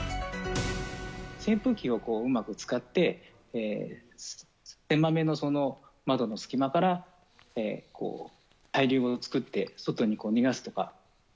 扇風機をうまく使って、せまめの窓の隙間から対流を作って、外に逃がすとか。